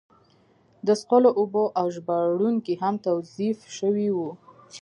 د څښلو اوبه او ژباړونکي هم توظیف شوي وو.